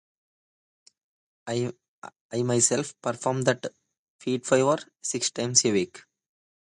I myself perform that feat five or six times a week.